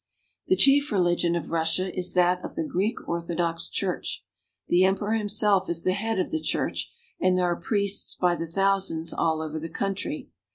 The chief religion of Russia is that of the Greek Ortho dox Church. The emperor himself is the head of the Church, and there are priests by the thou sands all over the country.